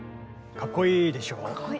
かっこいいでしょ。